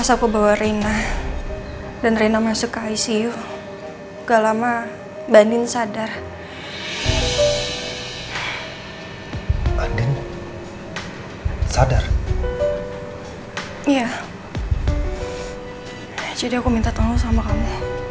jadi aku minta tolong sama kamu